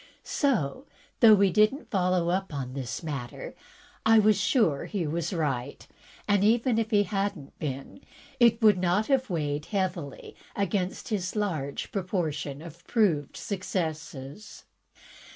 So, though we did n't follow up this matter, I was siire he was right, and, even if he had n't been, it would not have weighed heavily against his large proportion of proved successes.